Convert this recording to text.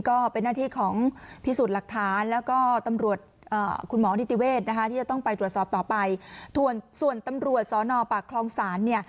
ก็เป็นหน้าที่ของพิสูจน์หลักฐาน